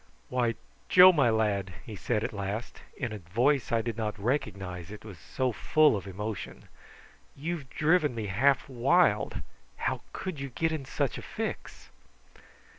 "Why, Joe, my lad," he said at last, in a voice I did not recognise, it was so full of emotion, "you've driven me half wild. How could you get in such a fix?"